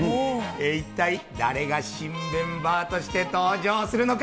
一体、誰が新メンバーとして登場するのか。